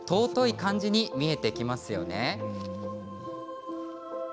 感じに見えてきますよね。